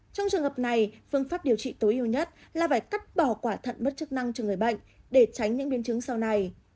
trong trường hợp này phương pháp điều trị tối ưu nhất là phải cắt bỏ quả thận mất chức năng cho người bệnh để tránh những biến chứng sau này